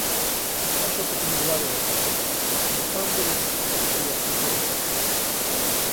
Я шопотом говорю это... Не правда ли, как всё ясно делается?